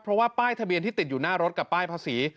เพราะว่าป้ายทะเบียนที่ติดอยู่หน้ารถกับป้ายภาษี